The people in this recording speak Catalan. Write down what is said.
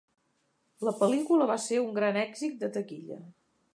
La pel·lícula va ser un gran èxit de taquilla.